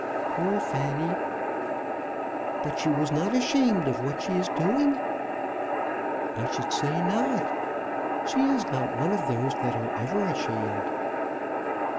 "Poor Fanny!" "But she was not ashamed of what she is doing?" "I should say not. She is not one of those that are ever ashamed."